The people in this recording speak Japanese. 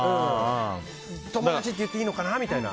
友達って言っていいのかなみたいな。